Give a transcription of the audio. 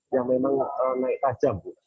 yang memang naik tajam